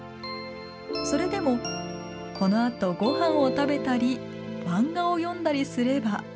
それでもこのあとごはんを食べたり漫画を読んだりすれば。